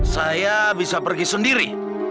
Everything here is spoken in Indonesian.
saya bisa pergi sendiri